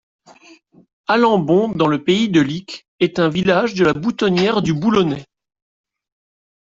Alembon, dans le pays de Licques, est un village de la boutonnière du Boulonnais.